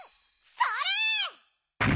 それ！